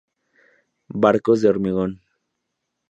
Barcos de hormigón